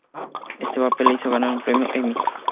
Este papel le hizo ganar un premio Emmy.